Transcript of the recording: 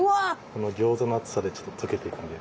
この餃子の熱さでちょっと溶けていくんで。